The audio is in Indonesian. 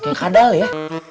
kayak kadal ya